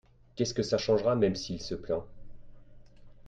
qu'est ce que ça changera même si il se plaint.